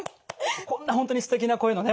こんな本当にすてきな声のね